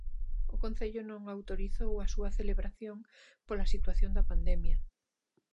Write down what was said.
O Concello non autorizou a súa celebración pola situación da pandemia.